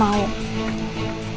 aku tidak mau